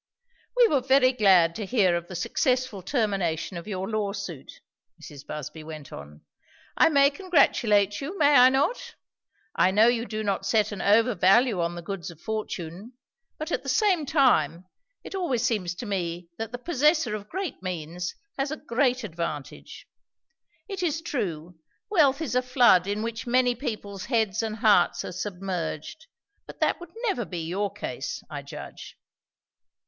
"We were very glad to hear of the successful termination of your lawsuit," Mrs. Busby went on. "I may congratulate you, may I not? I know you do not set an over value on the goods of fortune; but at the same time, it always seems to me that the possessor of great means has a great advantage. It is true, wealth is a flood in which many people's heads and hearts are submerged; but that would never be your case, I judge."